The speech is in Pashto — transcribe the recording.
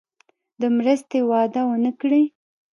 د مرستې وعده ونه کړي.